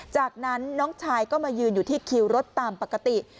จากนั้นน้องชายก็มายืนอยู่ที่คิวรถตามปกติ